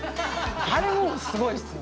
あれもうすごいですよ。